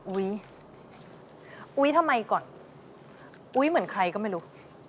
อุ๊ยอุ๊ยทำไมก่อนอุ๊ยเหมือนใครก็ไม่รู้